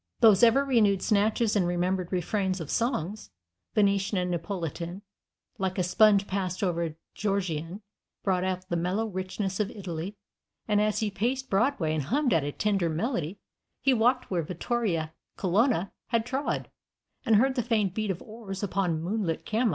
Those ever renewed snatches and remembered refrains of songs, Venetian and Neapolitan, like a sponge passed over a Giorgione, brought out the mellow richness of Italy, and as he paced Broadway and hummed a tender melody, he walked where Vittoria Colonna had trod, and heard the faint beat of oars upon moonlit Como.